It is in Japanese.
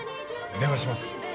電話します。